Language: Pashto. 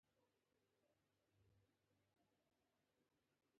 په مني کې کله چې یخ ډیر نری وي